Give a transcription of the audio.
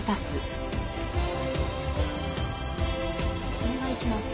お願いします。